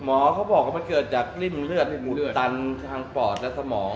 เขาบอกว่ามันเกิดจากริ่มเลือดตันทางปอดและสมอง